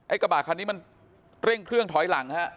กระบะคันนี้มันเร่งเครื่องถอยหลังฮะ